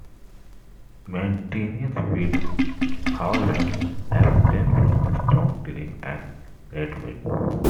Mandaeans will, however, abstain from strong drink and red meat.